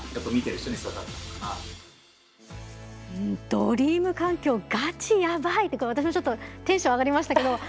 「ドリーム環境がちやばい」とか私もちょっとテンション上がりましたけど。